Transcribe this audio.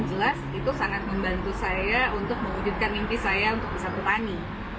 jelas itu sangat membantu saya untuk mewujudkan mimpi saya untuk bisa petani